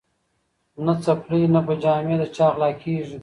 نه څپلۍ نه به جامې د چا غلاکیږي